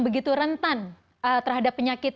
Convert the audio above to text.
begitu rentan terhadap penyakit